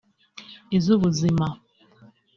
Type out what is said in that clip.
iz’ubuzima